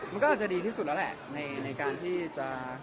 มันก็อาจจะดีที่สุดแล้วแหละในการที่จะ